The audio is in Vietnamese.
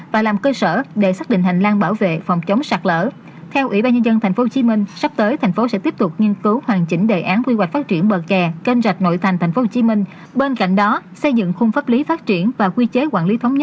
và làm cơ sở để xác định hành lang bảo vệ phòng chống sạc lỡ